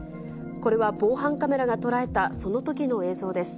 これは防犯カメラが捉えたそのときの映像です。